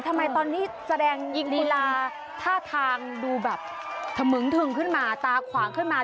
ทำไมตอนนี้แสดงยิงลีลาท่าทางดูแบบถมึงถึงขึ้นมาตาขวางขึ้นมา